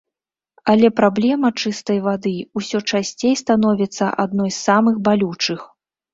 Але праблема чыстай вады ўсё часцей становіцца адной з самых балючых.